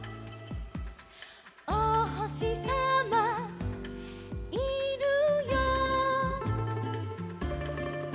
「おほしさまいるよいるよ」